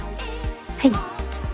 はい。